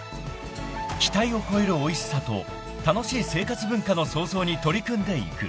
［期待を超えるおいしさと楽しい生活文化の創造に取り組んでいく］